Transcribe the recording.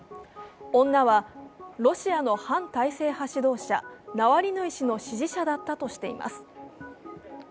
女はロシアの反体制派指導者・ナワリヌイ氏の支持者だったとしています。